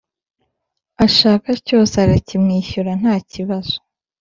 ashaka cyose arakimwishyurira ntakibazo.